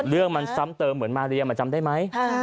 เรื่องมันซ้ำเติมเหมือนมาเรียมจำได้ไหม